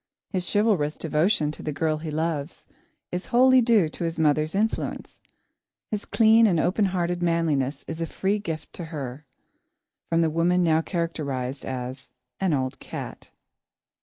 His chivalrous devotion to the girl he loves is wholly due to his mother's influence. His clean and open hearted manliness is a free gift to her, from the woman now characterised as "an old cat."